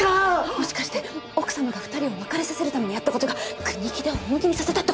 もしかして奥様が２人を別れさせるためにやった事が国木田を本気にさせたって事ですかね？